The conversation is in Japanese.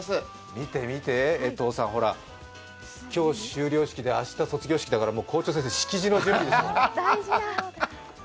見て見て江藤さん、今日修了式で明日、卒業式だから校長先生、式辞の準備。